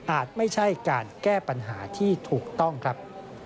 ไม่ใช่การแก้ปัญหาที่ถูกต้องครับ